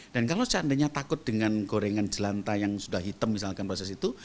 dan kalau seandainya takut dengan gorengan jelanta yang sudah hitam misalkan proses itu